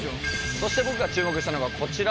そして僕が注目したのがこちら。